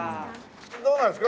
どうなんですか？